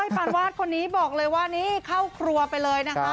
ปานวาดคนนี้บอกเลยว่านี่เข้าครัวไปเลยนะคะ